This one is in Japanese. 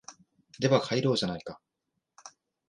では帰ろうじゃないか